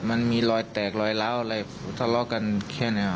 คุณต้องการรู้สิทธิ์ของเขา